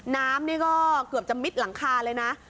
น้ำนี่ก็เกือบจะมิดหลังคาเลยนะ